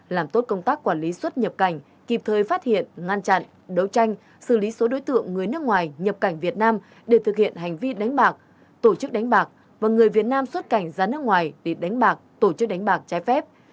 làm tốt công tác quản lý xuất nhập cảnh kịp thời phát hiện ngăn chặn đấu tranh xử lý số đối tượng người nước ngoài nhập cảnh việt nam để thực hiện hành vi đánh bạc tổ chức đánh bạc và người việt nam xuất cảnh ra nước ngoài để đánh bạc tổ chức đánh bạc trái phép